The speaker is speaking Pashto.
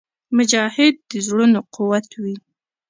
مجاهد د زړونو قوت وي.